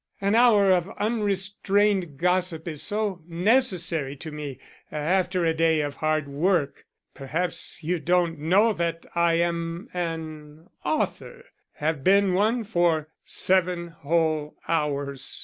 "An hour of unrestrained gossip is so necessary to me after a day of hard work. Perhaps you don't know that I am an author have been one for seven whole hours.